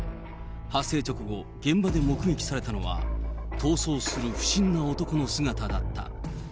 発生直後、現場で目撃されたのは、逃走する不審な男の姿だった。